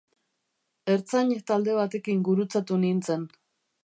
Ertzain talde batekin gurutzatu nintzen.